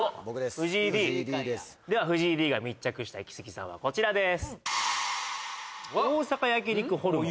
藤井Ｄでは藤井Ｄが密着したイキスギさんはこちらです